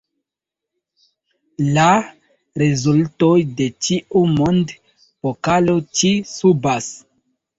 La rezultoj de ĉiu Mond-Pokalo ĉi-subas.